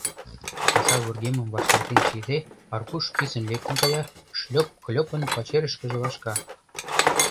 Паша вургемым вашталтен чийыде, Аркуш писын лектын кая, Шлёп-клёпын пачерышкыже вашка.